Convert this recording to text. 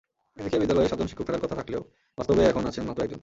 এদিকে বিদ্যালয়ে সাতজন শিক্ষক থাকার কথা থাকলেও বাস্তবে এখন আছেন মাত্র একজন।